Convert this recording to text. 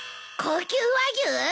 高級和牛！？